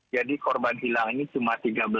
jadi korban hilang ini cuma tiga belas